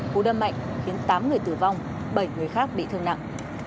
cú đâm mạnh khiến tám người tử vong bảy người khác bị thương nặng